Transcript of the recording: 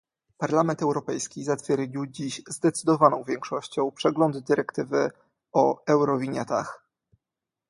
Parlament Europejski zatwierdził dziś zdecydowaną większością przegląd dyrektywy o eurowinietach